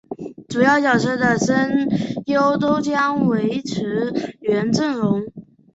主要角色的声优都将维持原阵容。